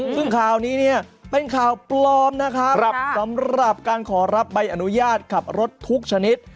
ซึ่งข่าวนี้เนี่ยเป็นข่าวปลอมนะครับสำหรับการขอรับใบอนุญาตขับรถทุกชนิด